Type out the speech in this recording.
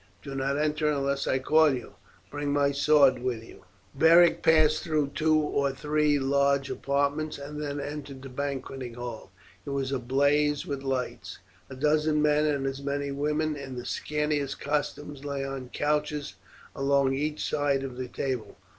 Do not enter unless I call you. Bring my sword with you." Beric passed through two or three large apartments and then entered the banqueting room. It was ablaze with lights. A dozen men and as many women, in the scantiest costumes, lay on couches along each side of the table.